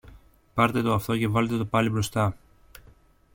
πάρτε το αυτό και βάλτε το πάλι μπροστά